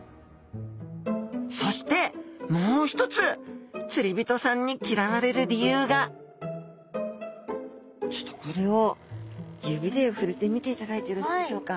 そしてもう一つ釣り人さんに嫌われる理由がちょっとこれを指で触れてみていただいてよろしいでしょうか。